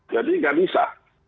jadi tidak bisa